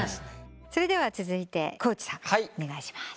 それでは続いて地さん。お願いします。